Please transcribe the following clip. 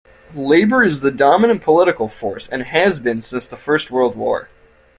Labour is the dominant political force, and has been since the First World War.